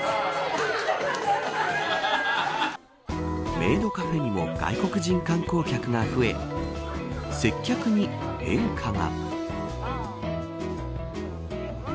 メイドカフェにも外国人観光客が増え接客に変化が。